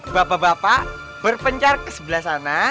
bapak bapak berpencar ke sebelah sana